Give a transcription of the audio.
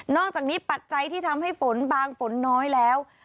อกจากนี้ปัจจัยที่ทำให้ฝนบางฝนน้อยแล้ว